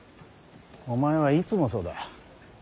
お前はいつもそうだ。